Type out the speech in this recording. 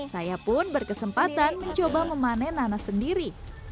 saya pun berkesempatan mencoba memanen nanas sendiri